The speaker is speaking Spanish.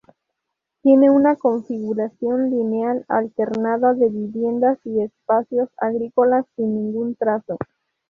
Tiene una configuración lineal alternada de viviendas y espacios agrícolas, sin ningún trazo.